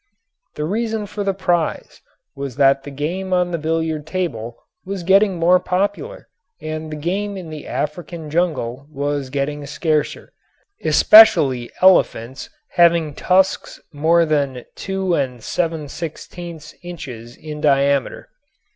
The reason for the prize was that the game on the billiard table was getting more popular and the game in the African jungle was getting scarcer, especially elephants having tusks more than 2 7/16 inches in diameter.